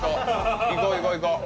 行こう行こう行こう